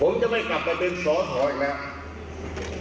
ผมจะไม่กลับไปเป็นสอสออีกแล้ว